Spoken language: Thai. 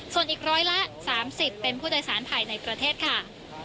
ส่วนอีกร้อยละ๓๐เป็นผู้โดยสารภายในประเทศค่ะ